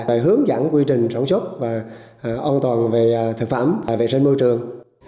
và hướng dẫn quy trình sống chốt và an toàn về thực phẩm và vệ sinh môi trường